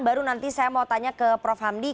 baru nanti saya mau tanya ke prof hamdi